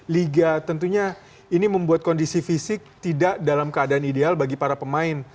liga tentunya ini membuat kondisi fisik tidak dalam keadaan ideal bagi para pemain